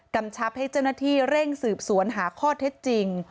ชับให้เจ้าหน้าที่เร่งสืบสวนหาข้อเท็จจริง